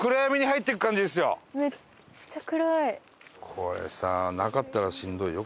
これさなかったらしんどいよ